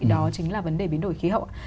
đó chính là vấn đề biến đổi khí hậu